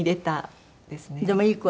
でもいい声。